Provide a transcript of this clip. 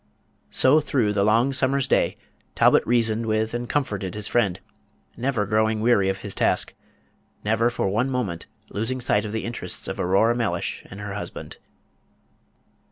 So through the long summer's day Talbot reasoned with and comforted his friend, never growing weary of his task, never for one moment losing sight of the interests of Aurora Mellish and her husband.